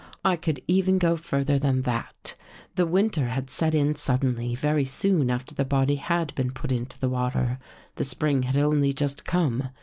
I could even go further than that. The winter had set in suddenly very soon after the body had been put into the water. The spring had only just come.